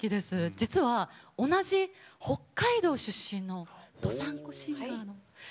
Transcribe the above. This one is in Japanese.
実は同じ北海道出身のどさんこ姉妹。